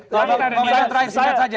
saya terakhir singkat saja